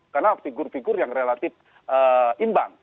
karena ada figur figur yang relatif imbang